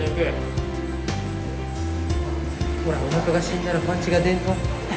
ほらおなかが死んだらパンチが出んぞ。